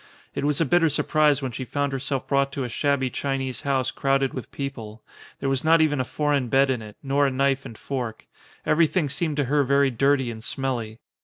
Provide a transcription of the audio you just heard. It was a bitter surprise when she found herself brought to a shabby Chinese house crowded with people: there was not even a foreign bed in it, nor a knife and fork: everything seemed to her very dirty and smelly.